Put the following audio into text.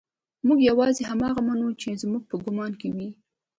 موږ يوازې هماغه منو چې زموږ په ګمان کې دي.